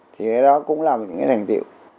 thì cái đó cũng làm những cái thành tiệu